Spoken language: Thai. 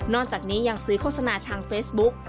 จากนี้ยังซื้อโฆษณาทางเฟซบุ๊ก